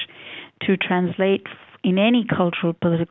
untuk direnyahkan di kualitas politik